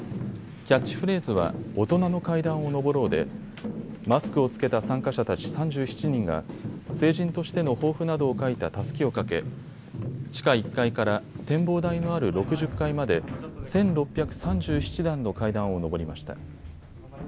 キャッチフレーズは大人の階段を登ろうでマスクを着けた参加者たち３７人が成人としての抱負などを書いたたすきをかけ地下１階から展望台のある６０階まで１６３７段の階段を上りました。